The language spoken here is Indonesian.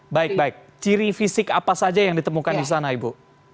baik baik ciri fisik apa saja yang ditemukan di sana ibu